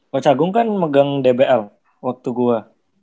coach agung kan megang dbl waktu gue